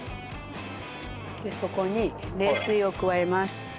でそこに冷水を加えます。